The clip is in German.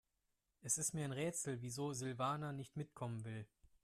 Es ist mir ein Rätsel, wieso Silvana nicht mitkommen will.